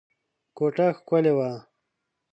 کوټه ښکلې وه.